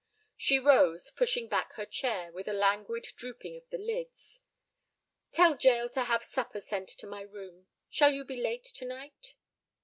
She rose, pushing back her chair, with a languid drooping of the lids. "Tell Jael to have supper sent to my room. Shall you be late to night?"